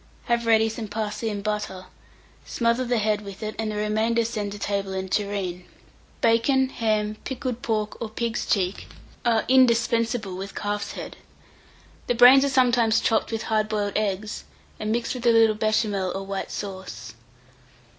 Have ready some parsley and butter, smother the head with it, and the remainder send to table in a tureen. Bacon, ham, pickled pork, or a pig's cheek, are indispensable with calf's head. The brains are sometimes chopped with hard boiled eggs, and mixed with a little Béchamel or white sauce.